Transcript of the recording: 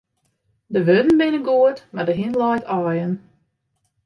De wurden binne goed, mar de hin leit aaien.